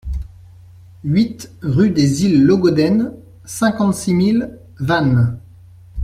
huit rue des Îles Logoden, cinquante-six mille Vannes